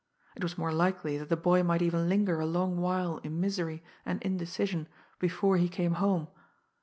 It was more likely that the boy might even linger a long while in misery and indecision before he came home.